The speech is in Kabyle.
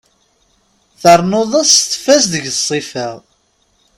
Ternuḍ-as tfaz deg ssifa.